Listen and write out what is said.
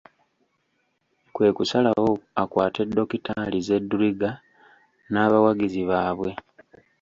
Kwe kusalawo akwate Dokitaali Zedriga n'abawagizi baabwe ?